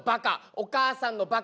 お母さんのバカ。